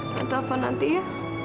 minta telfon nanti ya